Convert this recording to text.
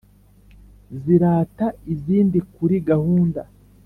zirata izindi kuri gahunda,